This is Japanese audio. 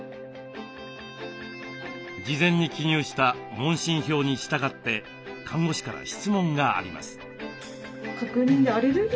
事前に記入した問診票に従って看護師から質問があります。